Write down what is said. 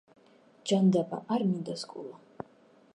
ჯანდაბა არ მინდა სკოლა